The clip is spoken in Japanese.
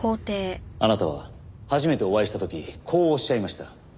あなたは初めてお会いした時こうおっしゃいました。